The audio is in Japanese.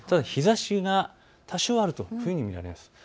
日ざしが多少あるというふうに見られます。